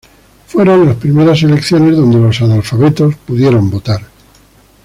Fueron las primeras elecciones donde los analfabetos pudieron votar.